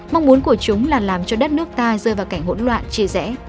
mong muốn của chúng là làm cho đất nước ta rơi vào cảnh hỗn loạn chia rẽ